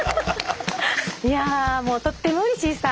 いやあもうとってもうれしいさ。